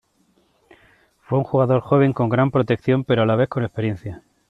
Fue un jugador joven con gran protección pero a la vez con experiencia.